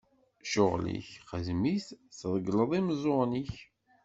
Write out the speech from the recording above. Ccɣel-ik xdem-it, tregleḍ imeẓẓuɣen-ik!